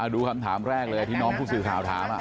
ดูคำถามแรกเลยที่น้องผู้สื่อข่าวถาม